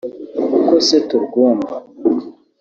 uko se turwumva